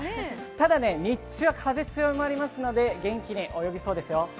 ただね、日中は風強まりますので、元気に泳ぎそうですよ。